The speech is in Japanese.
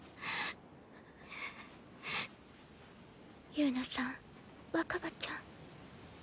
友奈さん若葉ちゃん。